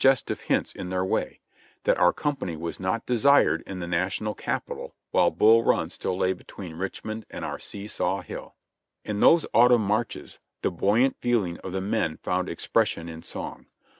CAMP NO camp' 79 tive hints in their way, that our company was not desired in the National Capital while Bull Run still lay between Richmond and our See saw Hill. In those autumn marches the buoyant feeling of the men found expression in song.